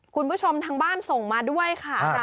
คุณผู้ชมทางบ้านส่งมาด้วยค่ะอาจารย์ค่ะ